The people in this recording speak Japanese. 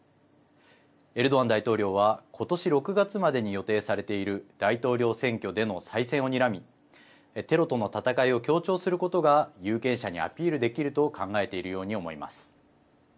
エルドアン大統領は今年６月までに予定されている大統領選挙での再選をにらみテロとの戦いを強調することが有権者にアピールできると考えているように思います。